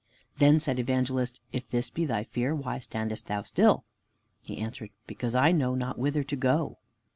Then said Evangelist, "If this be thy fear, why standest thou still?" He answered, "Because I know not whither to go."